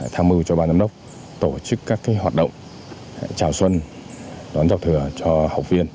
tham mưu cho ban giám đốc tổ chức các hoạt động chào xuân đón giao thừa cho học viên